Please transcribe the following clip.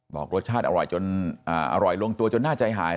บอกรสชาติอร่อยจนอร่อยลงตัวจนน่าใจหาย